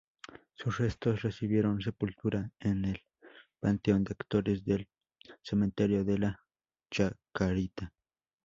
Sus restos recibieron sepultura en el Panteón de Actores del Cementerio de la Chacarita.